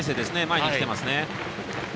前に来ています。